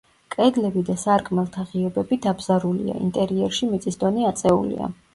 კედლები და სარკმელთა ღიობები დაბზარულია, ინტერიერში მიწის დონე აწეულია.